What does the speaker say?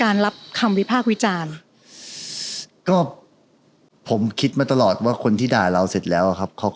อ่าประโยคแรกอวดรวยแล้ว